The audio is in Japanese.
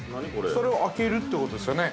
◆それを開けるってことですよね。